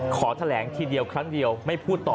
ขอแถลงทีเดียวครั้งเดียวไม่พูดต่อ